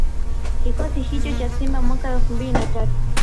Kikosi hicho cha Simba mwaka elfu mbili na tatu